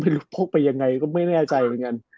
ลูกพกไปยังไงก็ไม่แน่ใจเหมือนกัน